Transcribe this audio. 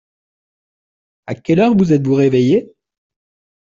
À quelle heure vous êtes-vous réveillés ?